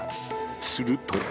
すると。